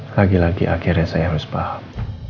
lagi lagi akhirnya saya harus paham